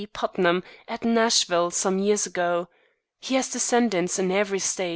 Putnam, at Nashville, some years ago. He has descendants in every State.